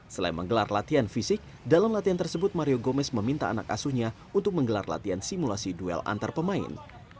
selain menggelar latihan fisik dalam latihan tersebut mario gomez meminta anak asuhnya untuk menggelar latihan simulasi duel antar pemain